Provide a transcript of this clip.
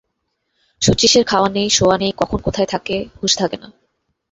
শচীশের খাওয়া নাই, শোওয়া নাই, কখন কোথায় থাকে হুঁশ থাকে না।